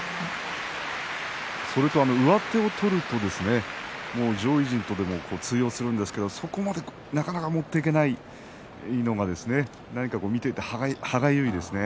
上手を取ると上位陣とでも通用するんですけどそこまでなかなか持っていけないのが見ていて歯がゆいですね。